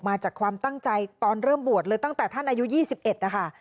มาจากความตั้งใจตอนเริ่มบวชเลยตั้งแต่ท่านอายุ๒๑นะคะ